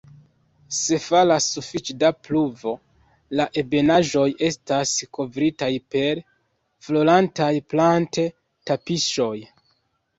Se falas sufiĉe da pluvo, la ebenaĵoj estas kovritaj per florantaj plant-"tapiŝoj".